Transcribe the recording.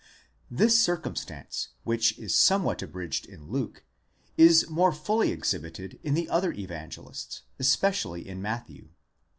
19 This circumstance, which is somewhat abridged in Luke, is more fully exhibited in the other Evangelists, especially in Matthew.